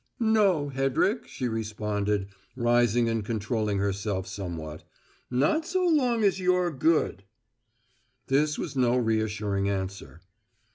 "No, Hedrick," she responded, rising and controlling herself somewhat. "Not so long as you're good." This was no reassuring answer.